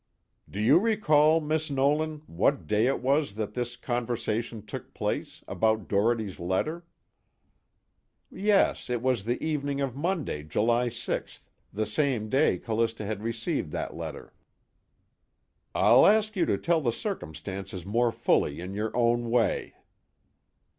_ "Do you recall, Miss Nolan, what day it was that this conversation took place, about Doherty's letter?" "Yes, it was the evening of Monday, July 6th, the same day Callista had received that letter." "I'll ask you to tell the circumstances more fully in your own way."